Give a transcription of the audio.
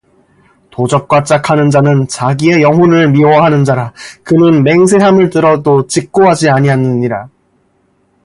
도적과 짝하는 자는 자기의 영혼을 미워하는 자라 그는 맹세함을 들어도 직고하지 아니하느니라